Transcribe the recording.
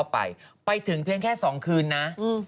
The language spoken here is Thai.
ไปถึงเพียงแค่๒คืนนะ